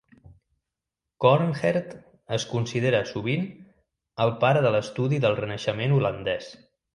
Coornhert es considera sovint el pare de l'estudi del Renaixement holandès.